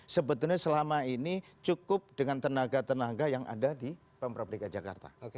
sebetulnya selama ini cukup dengan tenaga tenaga yang ada di pemprov dki jakarta